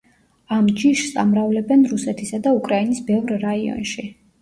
ამ ჯიშს ამრავლებენ რუსეთისა და უკრაინის ბევრ რაიონში.